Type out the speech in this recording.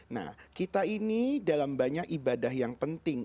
nah kita ini dalam banyak ibadah yang penting